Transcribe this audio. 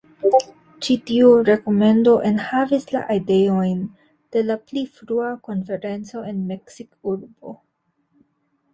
Ĉi tiu rekomendo enhavis la ideojn de la pli frua konferenco en Meksikurbo.